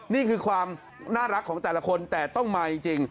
นี่คือความน่ารักของแต่ละคนแต่ต้องมาจริง